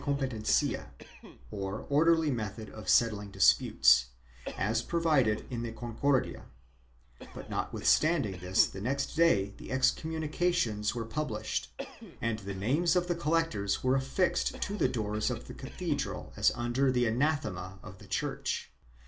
380 PRIVILEGES AND EXEMPTIONS [BOOK II petencia, or orderly method of settling disputes, as provided in the Concordia, but notwithstanding this the next day the excommunications were published and the names of the col lectors were affixed to the doors of the cathedral as under the anathema of the Church.